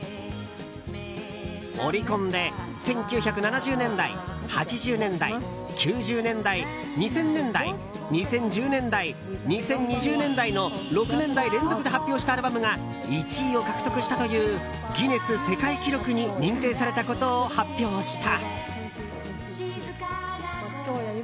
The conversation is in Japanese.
オリコンで１９７０年代、８０年代９０年代、２０００年代２０１０年代、２０２０年代の６年代連続で発表したアルバムが１位を獲得したというギネス世界記録に認定されたことを発表した。